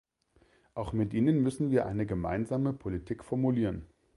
Auch mit ihnen müssen wir eine gemeinsame Politik formulieren.